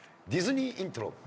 ディズニーイントロ。